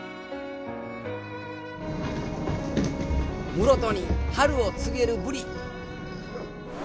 室戸に春を告げるブリ。